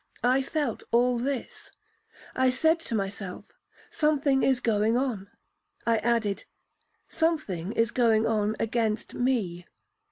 I felt all this. I said to myself, 'Something is going on.'—I added, 'Something is going on against me.'